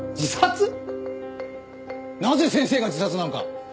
なぜ先生が自殺なんか。